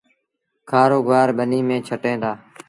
کآرو گُوآر ٻنيٚ ميݩ ڇٽيٚن دآ